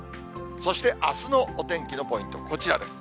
そして、あすのお天気のポイント、こちらです。